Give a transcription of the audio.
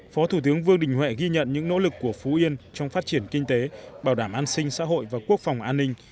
phó thủ tướng vương đình huệ ghi nhận những nỗ lực của phú yên trong phát triển kinh tế bảo đảm an sinh xã hội và quốc phòng an ninh